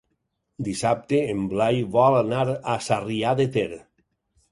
Dissabte en Blai vol anar a Sarrià de Ter.